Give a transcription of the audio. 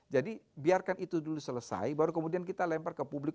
jadi biarkan itu dulu selesai baru kemudian kita lempar ke publik